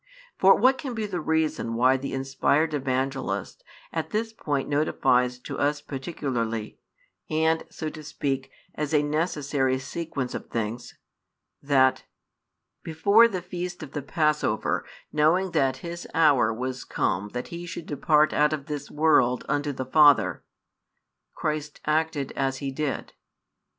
For what can be the reason why the inspired Evangelist at this point notifies to us particularly, and (so to speak) as a necessary sequence of things, that: Before the feast of the passover, knowing that His hour was come that He should depart out of this world unto the Father, Christ acted as He did?